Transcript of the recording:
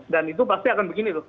dan itu pasti akan begini lho